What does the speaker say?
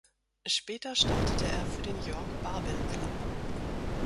Später startete er für den York Barbell Club.